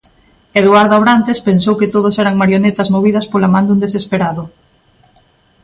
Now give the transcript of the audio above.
Eduardo Abrantes pensou que todos eran marionetas movidas pola man dun desesperado.